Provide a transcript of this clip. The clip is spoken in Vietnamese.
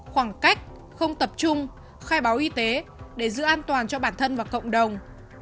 khoảng cách không tập trung khai báo y tế để giữ an toàn cho bản thân và cộng đồng